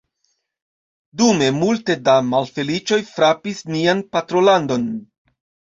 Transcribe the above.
Dume, multe da malfeliĉoj frapis nian patrolandon.